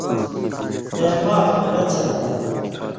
سیں معاف نیرہ چھی ہاریۡ۔